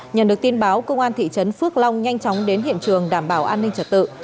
nhận được tin báo công an thị trấn phước long nhanh chóng đến hiện trường đảm bảo an ninh trật tự